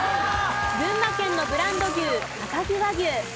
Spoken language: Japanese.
群馬県のブランド牛赤城和牛。